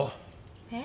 えっ？